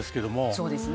そうですね。